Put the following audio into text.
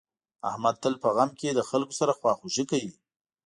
احمد تل په غم کې له خلکو سره خواخوږي کوي.